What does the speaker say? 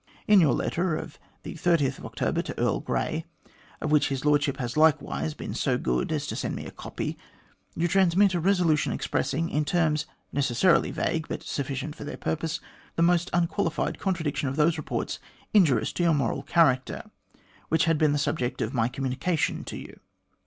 In your letter of October 30 to Earl Grey, of which his Lordship has likewise been so good as to send me a copy, you transmit a resolution expressing, in terms necessarily vague, but sufficient for their purpose, the most unqualified contradiction of those reports injurious to your moral character, which had been the subject of my communication to you.